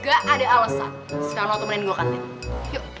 gak ada alasan setelah lo temenin gue ke kantin yuk